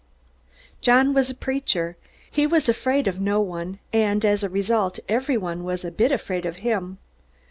John was a preacher. He was afraid of no one, and as a result everyone was a bit afraid of him.